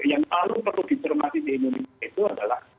yang perlu dihormati di indonesia itu adalah